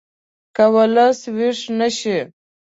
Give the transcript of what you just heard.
که ولس ویښ نه شي